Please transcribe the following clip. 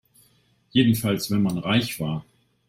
Jedenfalls wenn man reich war.